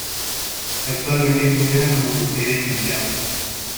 Actualmente funciona como su sede central.